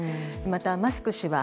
またマスク氏は